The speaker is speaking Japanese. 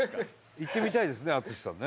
行ってみたいですね淳さんね。